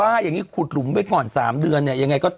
ว่าอย่างนี้ขุดหลุมไปก่อน๓เดือนเนี่ยยังไงก็